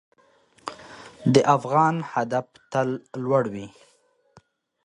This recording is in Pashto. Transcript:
د افغان هدف تل لوړ وي.